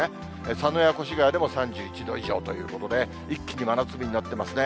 佐野や越谷でも３１度以上ということで、一気に真夏日になってますね。